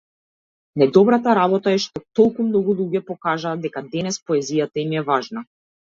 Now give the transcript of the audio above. Најдобрата работа е што толку многу луѓе покажа дека денес поезијата им е важна.